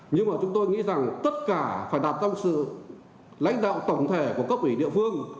nhưng mà chúng tôi nghĩ rằng tất cả phải đạt ra sự lãnh đạo tổng thể của cấp ủy địa phương